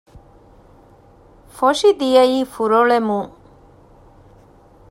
ފޮށި ދިޔައީ ފުރޮޅެމުން